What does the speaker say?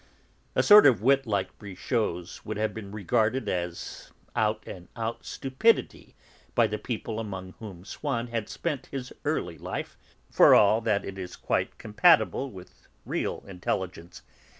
A sort of wit like Brichot's would have been regarded as out and out stupidity by the people among whom Swann had spent his early life, for all that it is quite compatible with real intelligence.